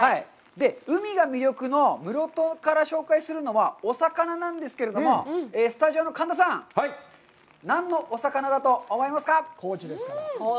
海が魅力の室戸から紹介するのは、お魚なんですけれども、スタジオの神田さん、何のお魚だと思いますか？